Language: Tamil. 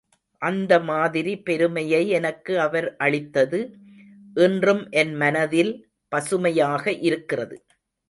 அந்த மாதிரி பெருமையை எனக்கு அவர் அளித்தது இன்றும் என் மனதில் பசுமையாக இருக்கிறது.